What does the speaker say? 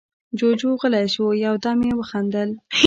جُوجُو غلی شو، يو دم يې وخندل: